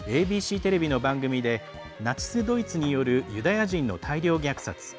ＡＢＣテレビの番組でナチス・ドイツによるユダヤ人の大量虐殺